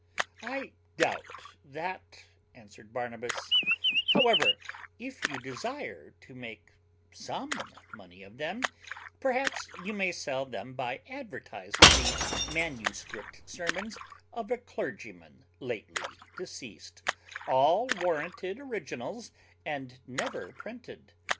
"I doubt that," answered Barnabas: "however, if you desire to make some money of them, perhaps you may sell them by advertising the manuscript sermons of a clergyman lately deceased, all warranted originals, and never printed.